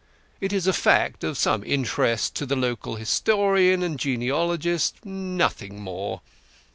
It is a fact of some interest to the local historian and genealogist, nothing more.